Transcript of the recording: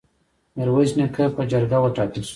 میرویس نیکه په جرګه وټاکل شو.